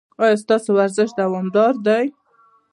ایا ستاسو ورزش دوامدار دی؟